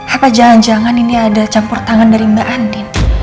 apa jangan jangan ini ada campur tangan dari mbak andi